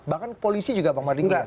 bahkan polisi juga bang mardika